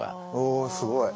おすごい。